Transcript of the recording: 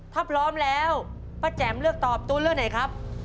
ถ้าพร้อมแล้วป้าแจ๋มเลือกตอบตัวเลือกไหนครับ